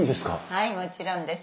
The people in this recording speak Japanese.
はいもちろんです。